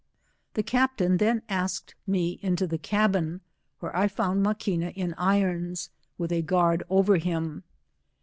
191 The captain then asked me into tlie cabin, where I found Maquioa in irons, with a guard over him.